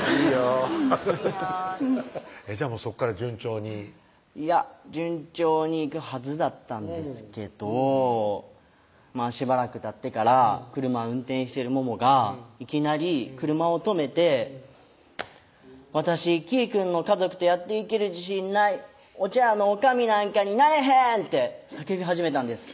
じゃあそこから順調にいや順調にいくはずだったんですけどしばらくたってから車運転してるモモがいきなり車をとめて「私きーくんの家族とやっていける自信ない」「お茶屋の女将なんかになれへん！」って叫び始めたんです